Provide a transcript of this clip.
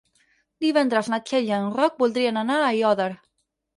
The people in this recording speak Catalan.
Divendres na Txell i en Roc voldrien anar a Aiòder.